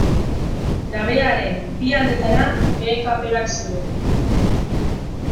Nabearen bi aldeetara behe-kaperak zeuden.